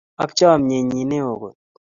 Ak chamnyennyi ne o kot.